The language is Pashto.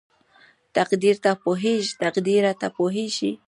تقديره ته پوهېږې??